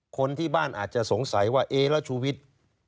คนที่บ้านอาจจะสงสัยว่าเอ๊ะแล้วชูวิทย์